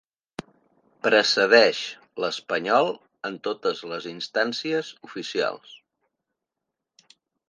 Precedeix l'Espanyol en totes les instàncies oficials.